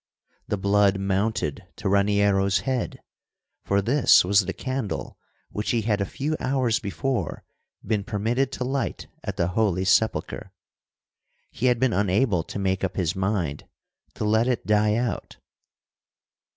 The blood mounted to Raniero's head; for this was the candle which he had a few hours before been permitted to light at the Holy Sepulchre. He had been unable to make up his mind to let it die out.